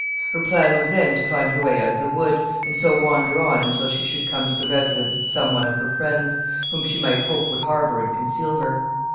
Her plan was then to find her way out of the wood, and so wander on until she should come to the residence of some one of her friends, who she might hope would harbor and conceal her.